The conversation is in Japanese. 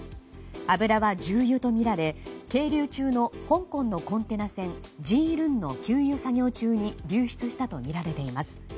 油は重油とみられ係留中の香港のコンテナ船「ＪＩ‐ＲＵＮ」の給油作業中に流出したとみられています。